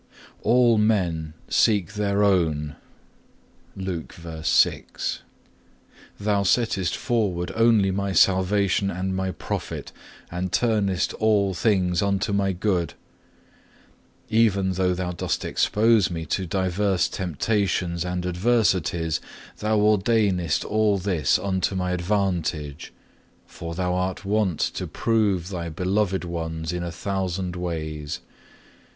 2. _All men seek their own;_(1) Thou settest forward only my salvation and my profit, and turnest all things unto my good. Even though Thou dost expose me to divers temptations and adversities, Thou ordainest all this unto my advantage, for Thou are wont to prove Thy beloved ones in a thousand ways.